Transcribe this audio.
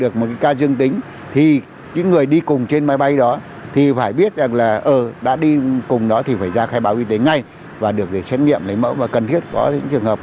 cùng đó thì phải ra khai báo y tế ngay và được xét nghiệm lấy mẫu và cần thiết có những trường hợp